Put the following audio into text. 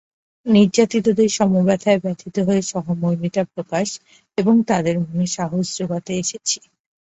নির্যাতিতদের সম-ব্যথায় ব্যথিত হয়ে সহমর্মিতা প্রকাশ এবং তাঁদের মনে সাহস জোগাতে এসেছি।